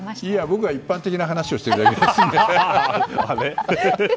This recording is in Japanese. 僕は一般的な話をしているだけですので。